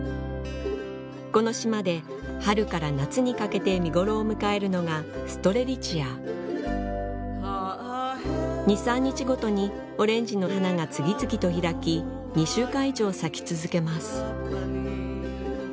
この島で春から夏にかけて見頃を迎えるのがストレリチア２３日ごとにオレンジの花が次々と開き２週間以上咲き続けます